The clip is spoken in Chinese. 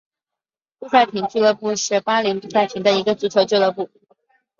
布赛廷俱乐部是巴林布赛廷的一个足球俱乐部。